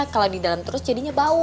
kalau di dalam terus jadinya bau